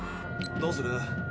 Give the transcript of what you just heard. どうする？